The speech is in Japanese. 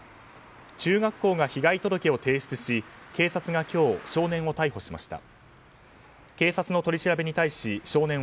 中学校が被害届を提出し警察が今日少年を逮捕しました。